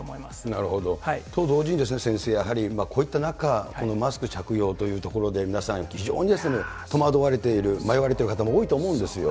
なるほど。と同時に、先生、やはりこういった中、このマスク着用というところで皆さん、非常に戸惑われている、迷われている方も多いと思うんですよ。